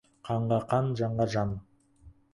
Қанға — қан, жанға — жан.